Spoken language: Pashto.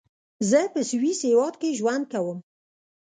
زۀ پۀ سويس هېواد کې ژوند کوم.